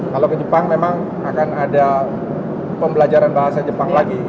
kalau ke jepang memang akan ada pembelajaran bahasa jepang lagi